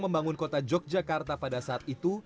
membangun kota yogyakarta pada saat itu